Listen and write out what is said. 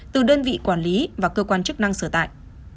từ đơn vị quản lý và cơ quan chức năng sở tại